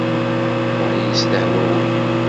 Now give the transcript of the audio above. Ṛṛay-is d ahwawi.